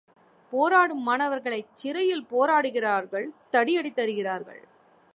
போராடும் மாணவர்களைச் சிறையில் போடுகிறார்கள், தடியடி தருகிறார்கள்.